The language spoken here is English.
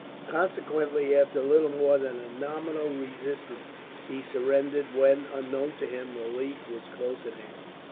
Consequently, after little more than a nominal resistance, he surrendered when, unknown to him, relief was close at hand.